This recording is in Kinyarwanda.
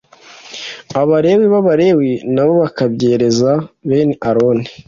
Abalewi b Abalewi na bo bakabyereza bene Aroni